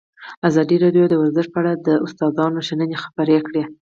ازادي راډیو د ورزش په اړه د استادانو شننې خپرې کړي.